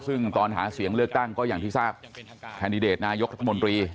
ซึ่งตอนหาเสียงเลือกตั้งก็อย่างที่ทราบแคนดิเดตนายกรัฐมนตรี